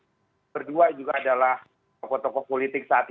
saya kira ketika setelah membicarakan bagaimana mengatasi krisis bangsa indonesia saat ini